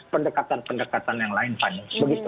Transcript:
pendekatan pendekatan yang lain fani